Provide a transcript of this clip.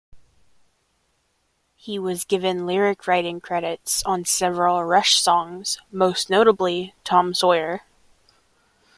He was given lyric-writing credits on several Rush songs, most notably "Tom Sawyer".